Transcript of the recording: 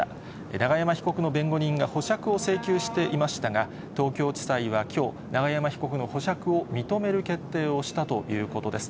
永山被告の弁護人が保釈を請求していましたが、東京地裁はきょう、永山被告の保釈を認める決定をしたということです。